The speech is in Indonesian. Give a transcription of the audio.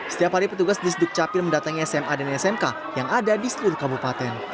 setiap hari petugas di sdukcapil mendatangi sma dan smk yang ada di seluruh kabupaten